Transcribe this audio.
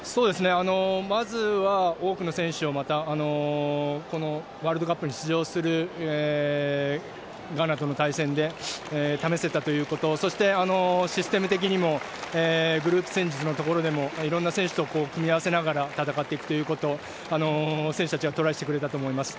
まずは多くの選手をまたこのワールドカップに出場するガーナとの対戦で試せたということそして、システム的にもグループ戦術のところでもいろんな選手と組み合わせて戦っていくということ選手たちはトライしてくれたと思います。